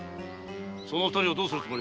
その二人をどうするつもりだ？